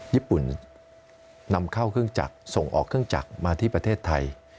ญี่ปุ่นนำเข้าเครื่องจักรส่งออกเครื่องจักรมาที่ประเทศไทย